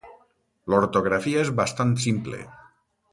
L'ortografia és bastant simple.